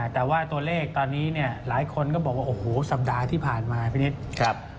แต่ว่าตัวเลขตอนนี้เนี่ยหลายคนก็บอกว่าโอ้โหสัปดาห์ที่ผ่านมาพี่นิด